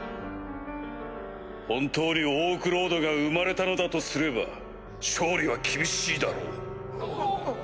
本当にオークロードが生まれたのだとすれば勝利は厳しいだろう。